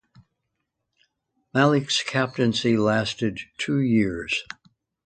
Malik's captaincy lasted two years.